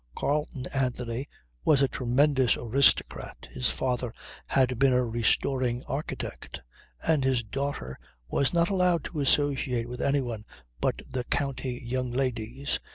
Carleon Anthony was a tremendous aristocrat (his father had been a "restoring" architect) and his daughter was not allowed to associate with anyone but the county young ladies.